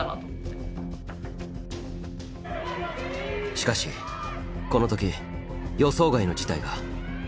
しかしこの時予想外の事態が。